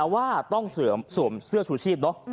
ว่าต้องสวมเสื้อชูชีพเนอะ